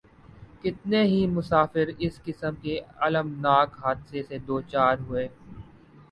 کتنے ہی مسافر اس قسم کے الم ناک حادثے سے دوچار ھوۓ